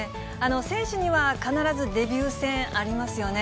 選手には必ずデビュー戦ありますよね。